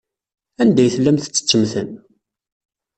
Anda ay tellam tettettem-ten?